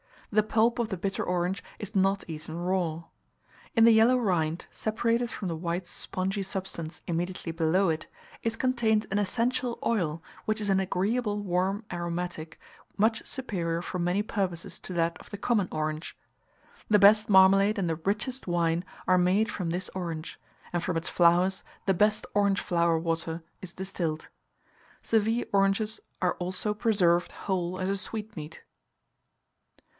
The pulp of the bitter orange is not eaten raw. In the yellow rind, separated from the white spongy substance immediately below it, is contained an essential oil, which is an agreeable warm aromatic, much superior for many purposes to that of the common orange. The best marmalade and the richest wine are made from this orange; and from its flowers the best orange flower water is distilled. Seville oranges are also preserved whole as a sweetmeat.